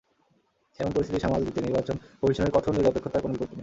এমন পরিস্থিতি সামাল দিতে নির্বাচন কমিশনের কঠোর নিরপেক্ষতার কোনো বিকল্প নেই।